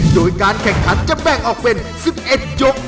โดยการแข่งขันจะแบ่งออกเป็น๑๑ยก